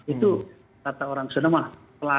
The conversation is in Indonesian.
itu kata orang senama pelaten ya